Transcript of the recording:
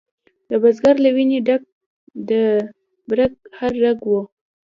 د بزګر له ویني ډک د برګ هر رګ و